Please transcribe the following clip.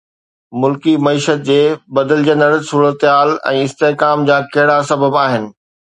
ملڪي معيشت جي بدلجندڙ صورتحال ۽ استحڪام جا ڪهڙا سبب آهن؟